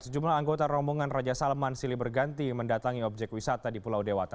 sejumlah anggota rombongan raja salman silih berganti mendatangi objek wisata di pulau dewata